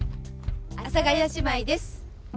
阿佐ヶ谷姉妹です。